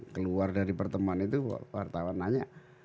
keluar dari pertemuan itu wartawan nanya